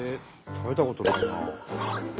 食べたことないな。